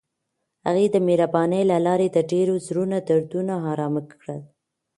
هغې د مهربانۍ له لارې د ډېرو زړونو دردونه ارام کړل.